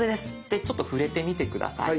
でちょっと触れてみて下さい。